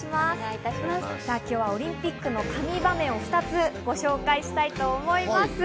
今日はオリンピックの神場面を２つご紹介します。